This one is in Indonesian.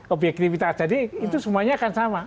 objektivitas jadi itu semuanya akan sama